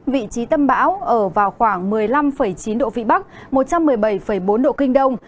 vị trí tâm bão ở vào khoảng một mươi năm chín độ vĩ bắc một trăm một mươi bảy bốn độ kinh đông